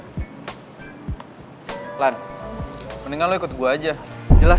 ulan mendingan lu ikut gua aja